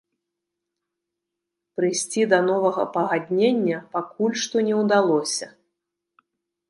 Прыйсці да новага пагаднення пакуль што не ўдалося.